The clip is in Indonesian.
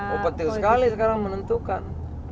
oh penting sekali sekarang menentukan